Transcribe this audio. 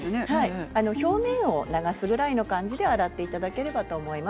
表面を流すぐらいで洗っていただければいいと思います。